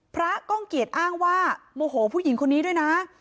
ก้องเกียจอ้างว่าโมโหผู้หญิงคนนี้ด้วยนะ